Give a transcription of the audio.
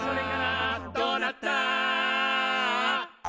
「どうなった？」